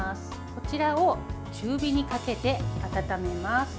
こちらを中火にかけて温めます。